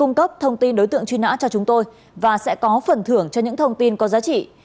quý vị sẽ được bảo mật thông tin đối tượng truy nã cho chúng tôi và sẽ có phần thưởng cho những thông tin có giá trị